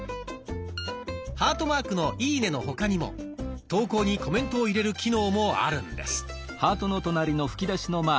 ハートマークの「いいね」の他にも投稿にコメントを入れる機能もあるんです。